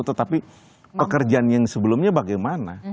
tetapi pekerjaan yang sebelumnya bagaimana